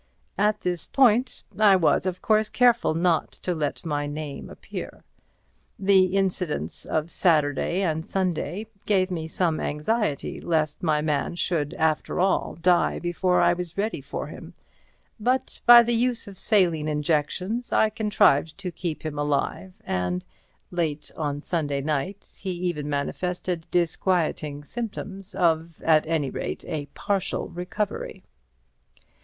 At this point I was of course careful not to let my name appear. The incidence of Saturday and Sunday gave me some anxiety lest my man should after all die before I was ready for him, but by the use of saline injections I contrived to keep him alive and, late on Sunday night, he even manifested disquieting symptoms of at any rate a partial recovery.